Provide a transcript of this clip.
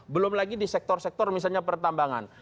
belum lagi di sektor sektor misalnya pertambangan